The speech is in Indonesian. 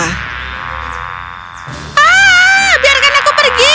ah biarkan aku pergi